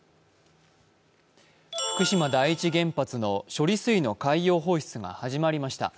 福島第一原発の処理水の海洋放出が始まりました。